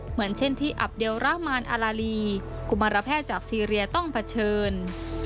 เหมือนเช่นที่อับเดลรามานอาลาลีกุมารแพทย์จากซีเรียต้องเผชิญ